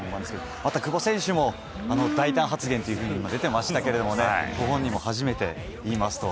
また、久保選手も大胆発言と出ていましたけどもご本人も初めて言いますと。